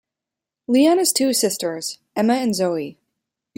Leon has two sisters, Emma and Zoe.